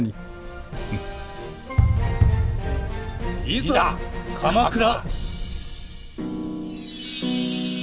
いざ鎌倉！